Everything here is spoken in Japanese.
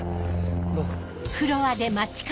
どうぞ。